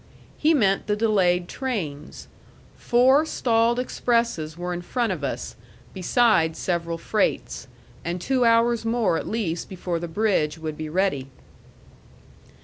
He meant the delayed trains. Four stalled expresses were in front of us, besides several freights. And two hours more at least before the bridge would be ready.